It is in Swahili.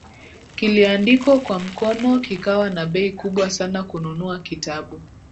kiliandikwa kwa mkono kikawa na bei kubwa sana Kununua kitabu